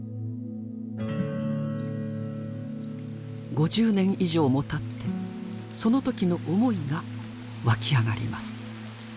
５０年以上もたってその時の思いがわき上がります。